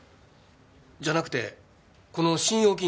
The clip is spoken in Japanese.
じゃなくてこの信用金庫の。